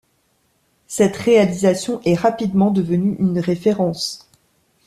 Cette réalisation est rapidement devenue une référence.